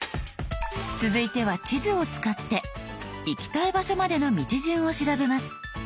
続いては地図を使って行きたい場所までの道順を調べます。